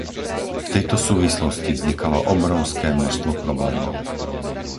V tejto súvislosti vznikalo obrovské množstvo problémov.